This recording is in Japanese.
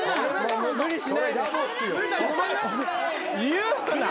言うな。